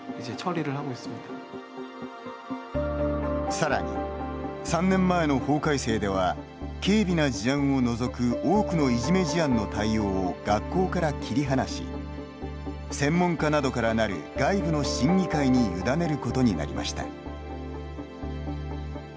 さらに、３年前の法改正では軽微な事案を除く多くのいじめ事案の対応を学校から切り離し専門家などから成る、外部の審議会に委ねることになりました。